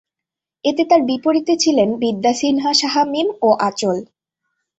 এতে তার বিপরীতে ছিলেন বিদ্যা সিনহা সাহা মীম ও আঁচল।